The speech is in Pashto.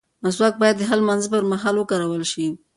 مسواک باید د هر لمانځه پر مهال وکارول شي.